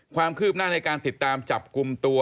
ความคืบหน้าในการติดตามจับกลุ่มตัว